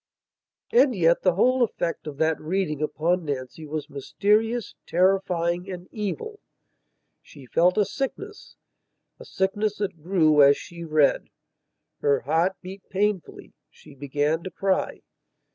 .. And yet the whole effect of that reading upon Nancy was mysterious, terrifying and evil. She felt a sicknessa sickness that grew as she read. Her heart beat painfully; she began to cry.